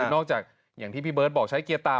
นอกจากอย่างที่พี่เบิร์ตบอกใช้เกียร์ตา